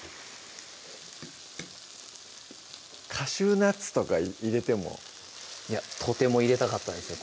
カシューナッツとか入れてもとても入れたかったですよ